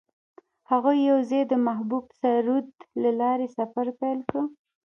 هغوی یوځای د محبوب سرود له لارې سفر پیل کړ.